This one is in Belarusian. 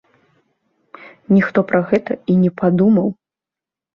Ніхто пра гэта і не падумаў.